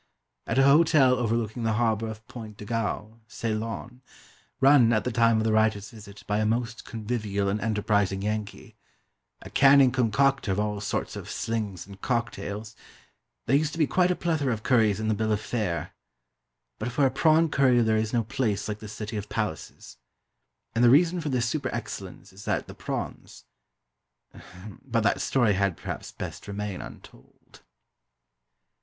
At a hotel overlooking the harbour of Point de Galle, Ceylon, "run," at the time of the writer's visit, by a most convivial and enterprising Yankee, a canning concocter of all sorts of "slings" and "cocktails," there used to be quite a plethora of curries in the bill of fare. But for a prawn curry there is no place like the City of Palaces. And the reason for this super excellence is that the prawns but that story had, perhaps, best remain untold.